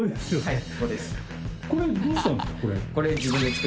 はい。